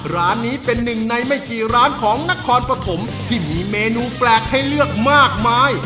ร้านนี้เป็นหนึ่งในไม่กี่ร้านของนครปฐมที่มีเมนูแปลกให้เลือกมากมาย